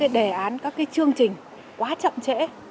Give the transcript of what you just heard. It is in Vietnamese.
đề án các cái chương trình quá chậm trễ